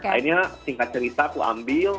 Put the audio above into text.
akhirnya tingkat cerita aku ambil